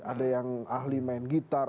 ada yang ahli main gitar